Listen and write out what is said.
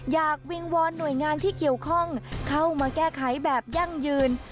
วิงวอนหน่วยงานที่เกี่ยวข้องเข้ามาแก้ไขแบบยั่งยืน